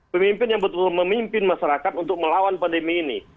pemimpin yang betul betul memimpin masyarakat untuk melawan pandemi ini